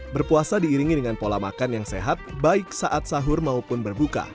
berpuasa diiringi dengan pola makan yang sehat baik saat sahur maupun berbuka